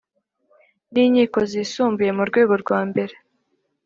N inkiko zisumbuye mu rwego rwa mbere